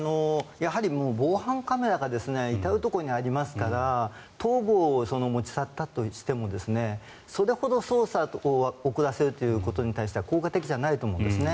防犯カメラが至るところにありますから頭部を持ち去ったとしてもそれほど捜査を遅らせるということに対しては効果的じゃないと思うんですね。